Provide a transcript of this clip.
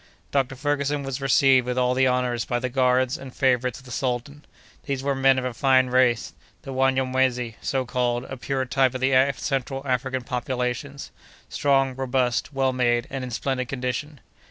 Dr. Ferguson was received with all the honors by the guards and favorites of the sultan; these were men of a fine race, the Wanyamwezi so called, a pure type of the central African populations, strong, robust, well made, and in splendid condition.